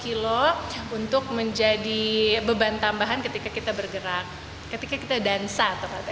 kilo untuk menjadi beban tambahan ketika kita bergerak ketika kita dansa atau